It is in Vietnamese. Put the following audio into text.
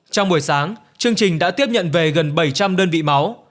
trong buổi sáng chương trình đã tiếp nhận về gần bảy trăm linh đơn vị máu